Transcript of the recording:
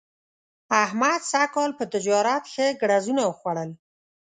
احمد سږ کال په تجارت ښه ګړزونه وخوړل.